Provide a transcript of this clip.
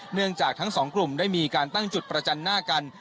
เนื่องจากทั้งสองกลุ่มได้มีการตั้งจุดประจันหน้ากัน